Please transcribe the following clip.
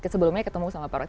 sebelumnya ketemu sama pak roy